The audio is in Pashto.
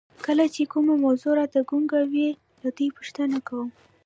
کله چې کومه موضوع راته ګونګه وي له دوی پوښتنه کوم.